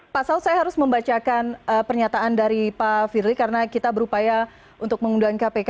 pak saud saya harus membacakan pernyataan dari pak firly karena kita berupaya untuk mengundang kpk